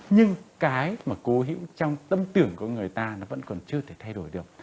nhưng cái mà cố hữu trong tâm tưởng của người ta nó vẫn còn chưa thể thay đổi được